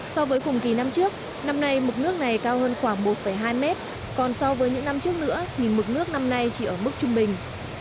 so với cùng kỳ năm trước năm nay mực nước này cao hơn khoảng một hai mét còn so với những năm trước nữa thì mực nước năm nay chỉ ở mức trung bình